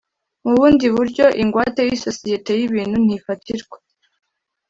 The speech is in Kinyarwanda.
mu bundi buryo ingwate y’isosiyete y’ibintu ntifatirwa